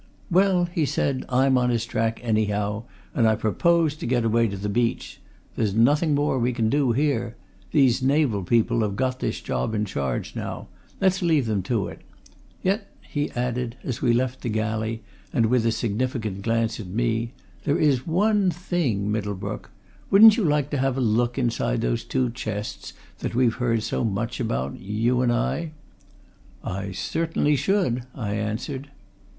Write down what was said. "Well," he said. "I'm on his track, anyhow, and I propose to get away to the beach. There's nothing more we can do here. These naval people have got this job in charge, now. Let's leave them to it. Yet," he added, as we left the galley, and with a significant glance at me, "there is one thing Middlebrook! wouldn't you like to have a look inside those two chests that we've heard so much about? you and I." "I certainly should!" I answered.